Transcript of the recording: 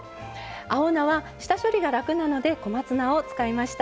青菜は下処理が楽なので小松菜を使いました。